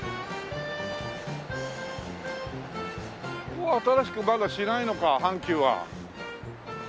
ここは新しくまだしないのか阪急は。